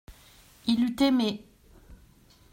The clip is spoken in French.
Il eut aimé.